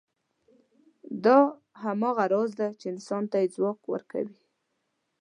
دا هماغه راز دی، چې انسان ته یې ځواک ورکړی.